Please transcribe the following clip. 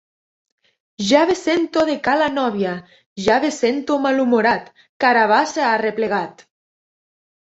Ja ve Cento de ca la nóvia, ja ve Cento malhumorat, carabassa ha arreplegat.